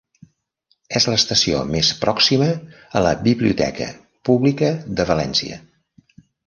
És l'estació més pròxima a la Biblioteca Pública de València.